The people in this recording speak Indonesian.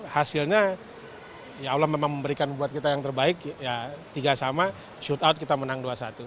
hasilnya ya allah memang memberikan buat kita yang terbaik ya tiga sama shoot out kita menang dua satu